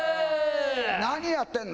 何やってんの？